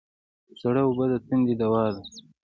سړه اوبه د تندې دوا ده